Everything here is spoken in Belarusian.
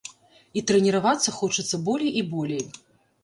І трэніравацца хочацца болей і болей.